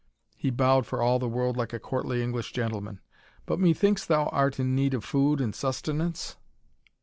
He bowed for all the world like a courtly English gentleman. "But methinks thou art in need of food and sustenance?"